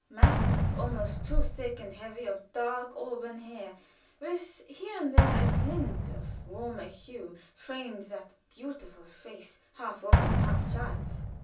Masses, almost too thick and heavy, of dark auburn hair, with here and there a glint of warmer hue, framed that beautiful face half woman's, half child's.